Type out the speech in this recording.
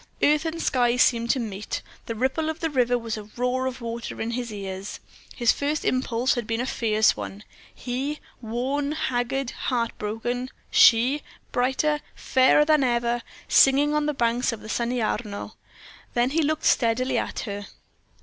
Earth and sky seemed to meet; the ripple of the river was as a roar of water in his ears. His first impulse had been a fierce one. He, worn, haggard, heartbroken; she, brighter, fairer than ever, singing on the banks of the sunny Arno. Then he looked steadily at her.